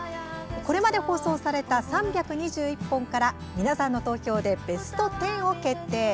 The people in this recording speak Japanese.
これまで放送された３２１本から皆さんの投票でベスト１０を決定。